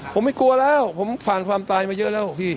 ผมไม่กลัวแล้วผมผ่านความตายมาเยอะแล้วพี่